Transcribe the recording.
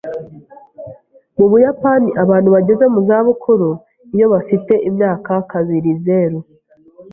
Mu Buyapani abantu bageze mu za bukuru iyo bafite imyaka kabirizeru.